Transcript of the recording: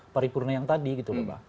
paripurna yang tadi gitu loh bang